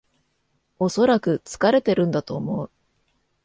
おそらく疲れてるんだと思う